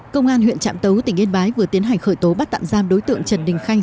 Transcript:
công an huyện trạm tấu tỉnh yên bái vừa tiến hành khởi tố bắt tạm giam đối tượng trần đình khanh